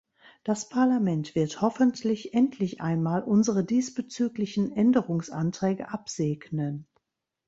Das Parlament wird hoffentlich endlich einmal unsere diesbezüglichen Änderungsanträge absegnen.